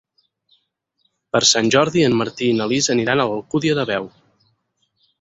Per Sant Jordi en Martí i na Lis aniran a l'Alcúdia de Veo.